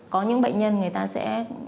có những bệnh nhân người ta sẽ